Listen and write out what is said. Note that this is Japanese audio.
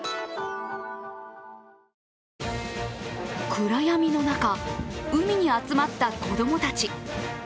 暗闇の中、海に集まった子供たち。